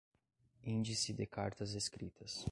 Índice de Cartas escritas